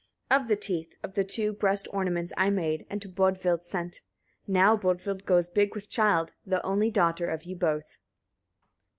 34. Of the teeth of the two, breast ornaments I made, and to Bodvild sent. Now Bodvild goes big with child, the only daughter of you both."